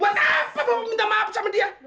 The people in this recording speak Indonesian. buat apa bapak minta maaf sama dia